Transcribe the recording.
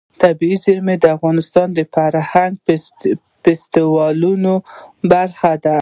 طبیعي زیرمې د افغانستان د فرهنګي فستیوالونو برخه ده.